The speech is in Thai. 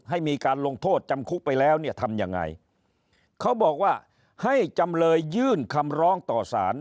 ให้มีการลงโทษจำคุกไปแล้วเนี่ยทำยังไงเขาบอกว่าให้จำเลยยื่นคำร้องต่อสาร